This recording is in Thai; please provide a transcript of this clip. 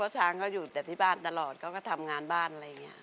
ช้างเขาอยู่แต่บ้านตลอดเขาก็ทำงานบ้านตลอด